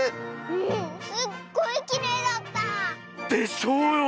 うんすっごいきれいだったぁ！でしょうよ！